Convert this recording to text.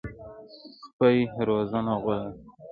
سپي روزنه غواړي.